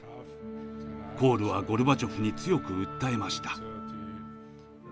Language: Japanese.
コールはゴルバチョフに強く訴えました。